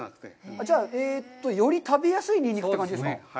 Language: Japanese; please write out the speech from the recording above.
じゃあ、より食べやすいニンニクという感じですか。